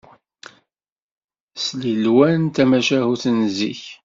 Slilwan d tamacahut n zik